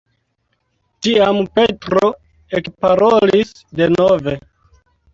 Tiam Petro ekparolis denove.